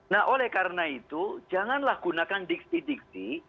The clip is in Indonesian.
nah oleh karena itu janganlah gunakan diksi diksi